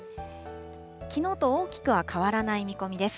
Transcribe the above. きのうと大きくは変わらない見込みです。